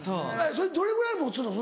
それどれぐらい持つの？